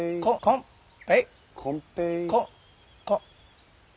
ここ。